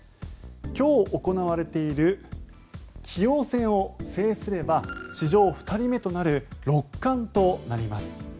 今日行われている棋王戦を制すれば史上２人目となる六冠となります。